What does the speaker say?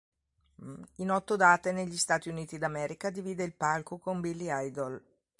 In otto date, negli Stati Uniti d'America, divide il palco con Billy Idol.